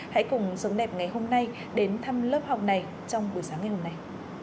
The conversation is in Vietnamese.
hãy cùng sống đẹp ngày hôm nay đến thăm lớp học này trong buổi sáng ngày hôm nay